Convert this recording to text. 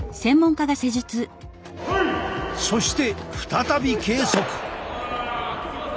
そして再び計測。